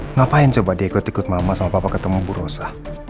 ngapain coba dia ikut ikut mama sama papa ketemu bu rosa